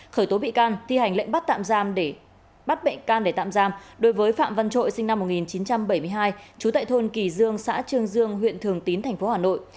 khởi tố bị can thi hành lệnh bắt bệnh can để tạm giam đối với phạm văn trội sinh năm một nghìn chín trăm bảy mươi hai chú tại thôn kỳ dương xã trương dương huyện thường tín tp hà nội